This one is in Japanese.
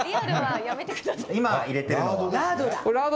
今入れてるのは？